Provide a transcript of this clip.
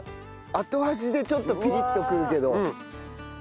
後味でちょっとピリッとくるけど。